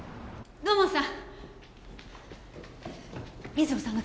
土門さん